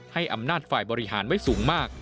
ให้อำนาจฝ่ายบริหารไว้สูงมาก